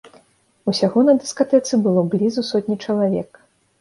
Усяго на дыскатэцы было блізу сотні чалавек.